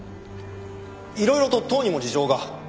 いろいろと党にも事情が。